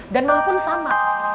dan malah pun sama